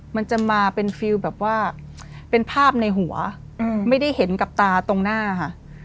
มันจะมาเป็นฟิลแบบว่าเป็นภาพในหัวไม่ได้เห็นกับตาตรงหน้าค่ะ